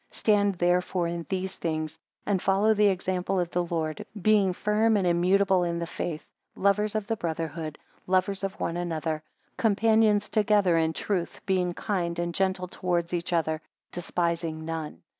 10 Stand therefore in these things, and follow the example of the Lord; being firm and immutable in the faith, lovers of the brotherhood, lovers of one another: companions together in the truth, being kind and gentle towards each other, despising none.